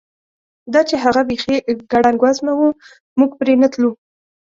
دا چې هغه بیخي ګړنګ وزمه وه، موږ پرې نه تلو.